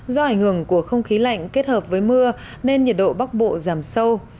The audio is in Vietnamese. do ảnh hưởng của không khí lạnh kết hợp với mưa nên nhiệt độ bắc bộ giảm sâu